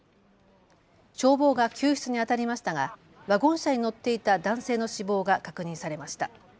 消防が救出にあたりましたがワゴン車に乗っていた男性の死亡が確認されました。